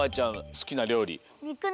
すきなりょうり。